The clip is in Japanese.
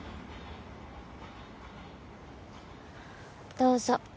どうぞ。